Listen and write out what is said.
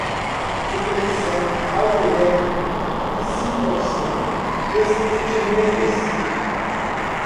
Intelecção, alter ego, dissipam-se, descortinando-se